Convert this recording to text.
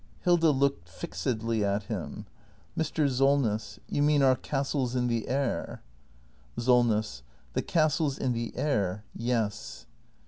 Hilda. [Looks fixedly at him.] Mr. Solness — you mean our castles in the air. Solness. The castles in the air — yes.